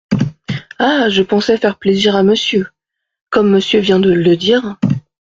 Ah ! je pensais faire plaisir à Monsieur… comme Monsieur vient de le dire…